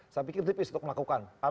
saya pikir tipis untuk melakukan